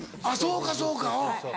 あっそうかそうか。